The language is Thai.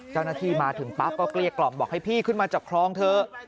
เจ้าหน้าที่มาถึงปั๊บก็เกลี้ยกล่อมบอกให้พี่ขึ้นมาจากคลองเถอะ